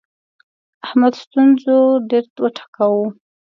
احمد ستونزو ډېر وټکاوو.